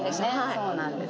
そうなんです。